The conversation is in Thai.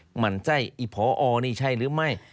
หมั่นไส้ไอ้พอนี่ใช่หรือไม่